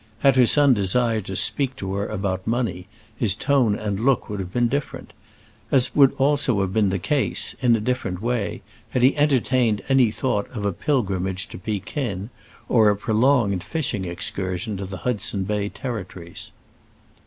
Had her son desired to speak to her about money, his tone and look would have been different; as would also have been the case in a different way had he entertained any thought of a pilgrimage to Pekin, or a prolonged fishing excursion to the Hudson Bay territories.